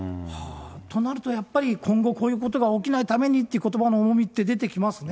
となると、やっぱり今後、こういうことが起きないためにっていうことばの重みって出てきますね。